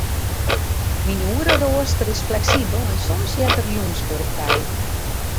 Myn oereroaster is fleksibel en soms heart der jûnswurk by.